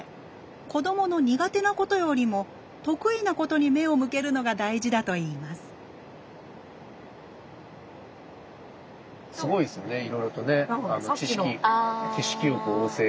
子どもの苦手なことよりも得意なことに目を向けるのが大事だといいますそうですかはい。